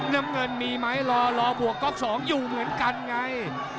น้ำเงินมีไหมรอบวกก๊อก๒อยู่เหมือนกันไง